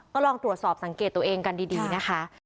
ก็ลองตรวจสอบสังเกตตัวเองกันดีนะคะ